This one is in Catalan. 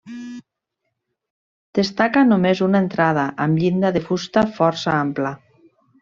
Destaca només una entrada amb llinda de fusta força ampla.